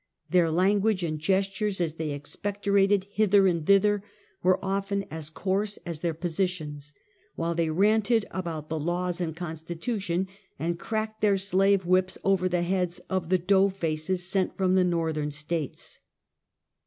Their [lan guage and gestures as they expectorated hither and thither were often as coarse as their positions, while they ranted about the " laws and Constitution," and cracked their slave whips over the heads of the dough faces sent from the [Northern States.